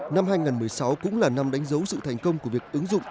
năm hai nghìn một mươi sáu cũng là năm đánh dấu sự thành công của việc ứng dụng